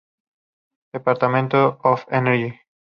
Department of Energy"